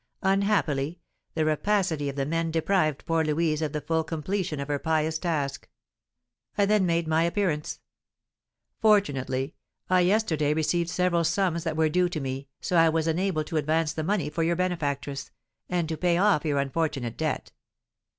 Unhappily, the rapacity of the men deprived poor Louise of the full completion of her pious task. I then made my appearance. Fortunately, I yesterday received several sums that were due to me, so that I was enabled to advance the money for your benefactress, and to pay off your unfortunate debt.